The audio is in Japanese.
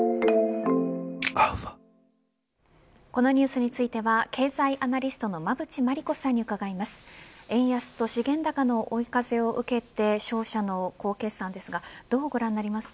このニュースについては経済アナリストの馬渕磨理子さんに伺います。